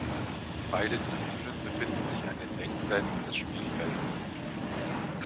Beide Tribünen befinden sich an den Längsseiten des Spielfeldes.